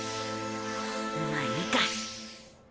まあいいか。